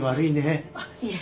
あっいえ。